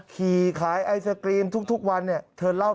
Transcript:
ขี่ขายไอตริปทุกวันเนี่ยเธอเล่าทั้งน้ำตา